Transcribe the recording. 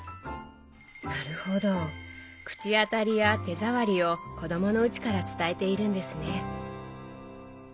なるほど口当たりや手触りを子どものうちから伝えているんですね。